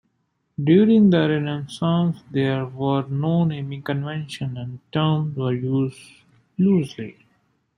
During the Renaissance there were no naming conventions and terms were used loosely.